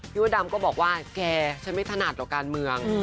มดดำก็บอกว่าแกฉันไม่ถนัดหรอกการเมือง